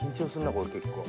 これ結構。